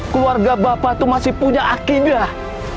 keluarga bapak itu masih punya akidah